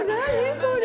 これ！